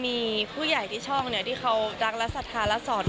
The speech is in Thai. มีผู้ใหญ่ที่ช่องเนี่ยที่เขารักและสัดทาและสอน